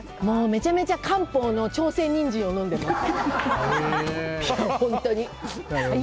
めちゃめちゃ漢方の朝鮮ニンジンを飲んでいます。